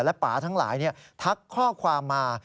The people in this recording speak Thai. และป่าทั้งหลายทักข้อความมา